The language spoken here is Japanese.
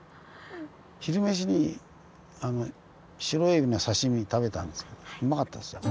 昼飯にシロエビの刺身食べたんですけどうまかったですよ。